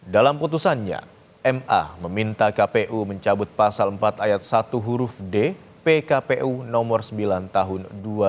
dalam putusannya ma meminta kpu mencabut pasal empat ayat satu huruf d pkpu nomor sembilan tahun dua ribu dua puluh